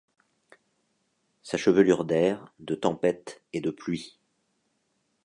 Sa chevelure d’air, de tempête et de pluie